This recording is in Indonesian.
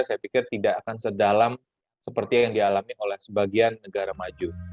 saya pikir tidak akan sedalam seperti yang dialami oleh sebagian negara maju